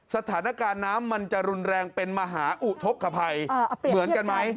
สถานการณ์น้ำมันจะรุนแรงเป็นมหาอุทธกภัยเหมือนกันไหม